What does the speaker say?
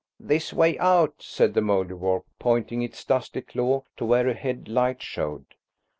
"This way out," said the Mouldiwarp, pointing its dusty claw to where ahead light showed.